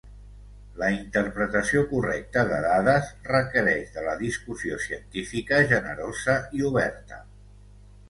La interpretació correcta de dades requereix de la discussió científica generosa i oberta.